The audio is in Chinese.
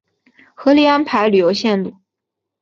合理安排旅游线路